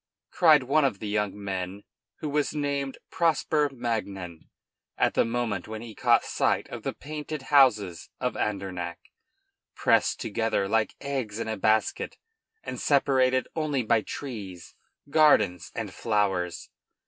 cried one of the two young men, who was named Prosper Magnan, at the moment when he caught sight of the painted houses of Andernach, pressed together like eggs in a basket, and separated only by trees, gardens, and flowers.